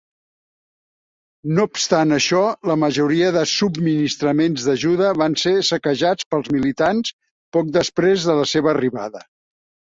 No obstant això, la majoria de subministraments d'ajuda van ser saquejats pels militants poc després de la seva arribada.